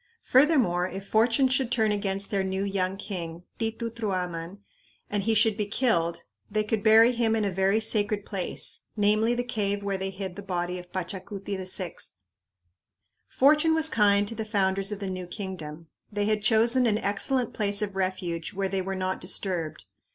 Furthermore, if fortune should turn against their new young king, Titi Truaman, and he should be killed, they could bury him in a very sacred place, namely, the cave where they hid the body of Pachacuti VI. Fortune was kind to the founders of the new kingdom. They had chosen an excellent place of refuge where they were not disturbed.